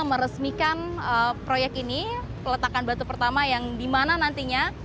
meresmikan proyek ini peletakan batu pertama yang dimana nantinya